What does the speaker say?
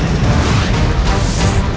kenapa kau berdua berdua berdua